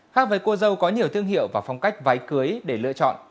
khác với cô dâu có nhiều thương hiệu và phong cách vái cưới để lựa chọn